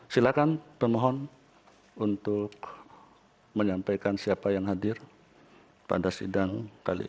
silakan pemohon untuk menyampaikan siapa yang hadir pada sidang kali ini